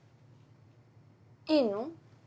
いいの？